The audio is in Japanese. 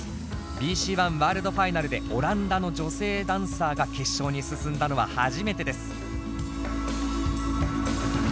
「ＢＣＯｎｅＷｏｒｌｄＦｉｎａｌ」でオランダの女性ダンサーが決勝に進んだのは初めてです。